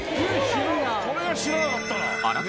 これは知らなかったな。